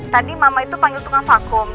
tadi mama itu panggil tukang vakum